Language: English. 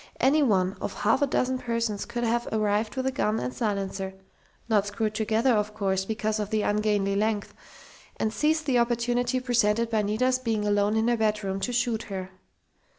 Any one of half a dozen persons could have arrived with the gun and silencer not screwed together, of course, because of the ungainly length and seized the opportunity presented by Nita's being alone in her bedroom to shoot her.